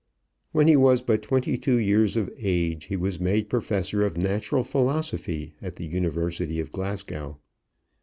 When he was but twenty two years of age he was made professor of natural philosophy at the University of Glasgow.